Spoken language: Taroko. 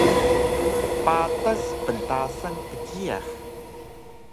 Patas pntasan kdjiyax